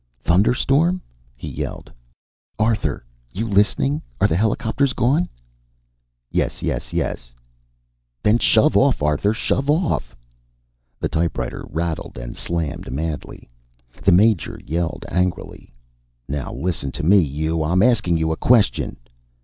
"Thunderstorm?" he yelled. "Arthur, you listening? Are the helicopters gone?" YESYESYES "Then shove off, Arthur! Shove off!" The typewriter rattled and slammed madly. The Major yelled angrily: "Now listen to me, you! I'm asking you a question!"